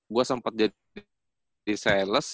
gua sempet jadi sales